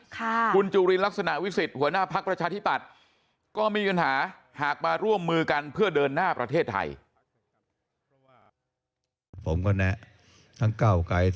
คุณจุลินลักษณะวิสิทธิ์หัวหน้าพักประชาธิปัตย์ก็ไม่มีปัญหาหากมาร่วมมือกันเพื่อเดินหน้าประเทศไทย